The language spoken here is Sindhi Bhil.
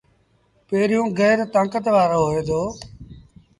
پيريوݩ گير تآݩڪت وآرو هوئي دو۔